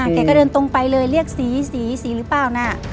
แกก็เดินตรงไปเลยเรียกสีสีหรือเปล่านะ